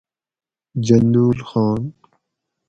جندول خان